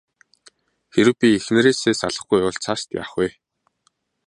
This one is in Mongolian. Хэрэв би эхнэрээсээ салахгүй бол цаашид яах вэ?